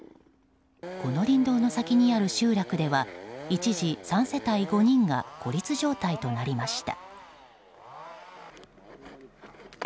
この林道の先にある集落では一時３世帯５人が孤立状態となりました。